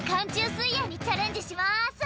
水泳にチャレンジします」